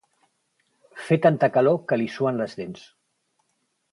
Fer tanta calor que li suen les dents.